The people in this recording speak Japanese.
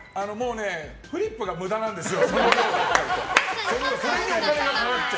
フリップが、もうむだなんですよ。